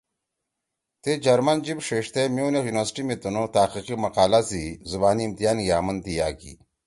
تی جرمن جیِب ڇھیِڙتے میونیخ یونیورسٹی می تنُو تحقیقی مقالہ سی زبانی امتحان گے آمن تیا کی۔